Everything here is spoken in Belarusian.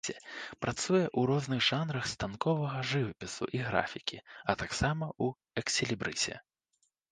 Працуе ў розных жанрах станковага жывапісу і графікі, а таксама ў экслібрысе.